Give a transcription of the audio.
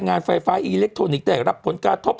งานไฟฟ้าอิเล็กทรอนิกส์ได้รับผลกระทบ